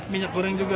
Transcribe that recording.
minyak goreng juga